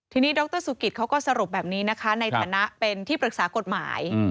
ทีนี้ดรสุกิตเขาก็สรุปแบบนี้นะคะในฐานะเป็นที่ปรึกษากฎหมาย